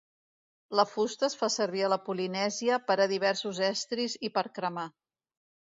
La fusta es fa servir a la Polinèsia per a diversos estris i per cremar.